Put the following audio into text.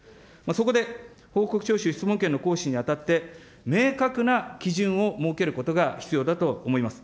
そこで、報告徴収、質問権の行使にあたって、明確な基準を設けることが必要だと思います。